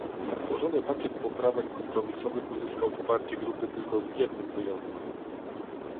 złożony pakiet poprawek kompromisowych uzyskał poparcie grupy tylko z jednym wyjątkiem